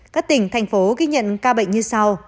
các tỉnh thành phố ghi nhận ca bệnh như sau